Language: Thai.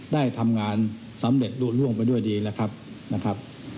ได้ทำงานสำเร็จรวดล่วงไปด้วยดีนะครับ